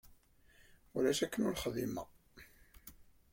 Ulac akken ur xdimeɣ.